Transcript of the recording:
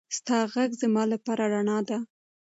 ستا غږ زما لپاره رڼا ده.